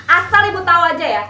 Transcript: asal ibu tahu aja ya